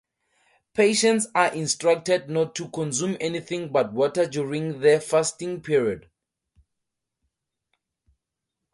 Patients are instructed not to consume anything but water during the fasting period.